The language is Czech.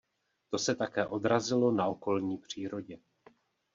To se také odrazilo na okolní přírodě.